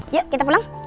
yuk kita pulang